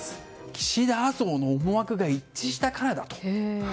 岸田・麻生の思惑が一致したからだと。